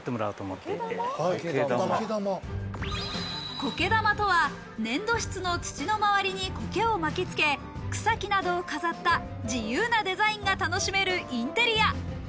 苔玉とは、粘土質の土の周りに苔を巻き付け、草木などを飾った自由なデザインが楽しめるインテリア。